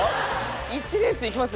１レースいきます？